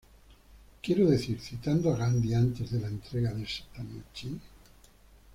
Quiero decir, ¿citando a Gandhi antes de la entrega de esta noche?